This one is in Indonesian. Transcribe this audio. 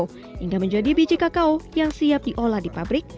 hingga menjadi biji kakao yang siap diolah di pabrik